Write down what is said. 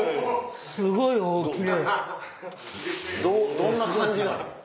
どんな感じなん？